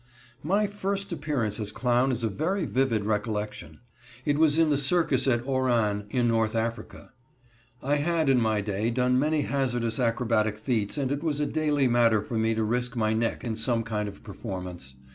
My first appearance as clown is a very vivid recollection. It was in the circus at Oran, in North Africa. I had, in my day, done many hazardous acrobatic feats and it was a daily matter for me to risk my neck in some kind of performance.